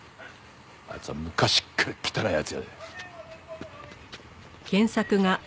あいつは昔から汚い奴やで。